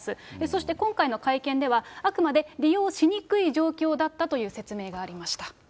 そして今回の会見では、あくまで利用しにくい状況だったと説明がありました。